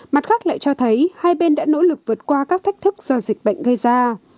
mặt khác lại cho thấy hai bên đã nỗ lực vượt qua các thách thức do dịch bệnh gây ra